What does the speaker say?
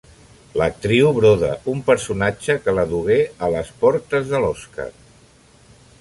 L'actriu broda un personatge que la dugué a les portes de l'Oscar.